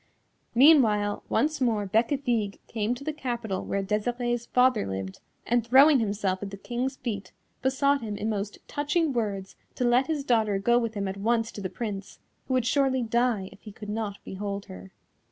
Meanwhile once more Bécafigue came to the capital where Desirée's father lived, and throwing himself at the King's feet, besought him in most touching words to let his daughter go with him at once to the Prince, who would surely die if he could not behold her.